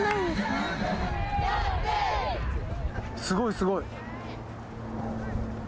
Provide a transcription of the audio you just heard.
すごいすごい。